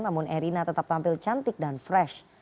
namun erina tetap tampil cantik dan fresh